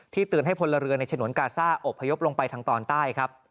เตือนให้พลเรือในฉนวนกาซ่าอบพยพลงไปทางตอนใต้ครับ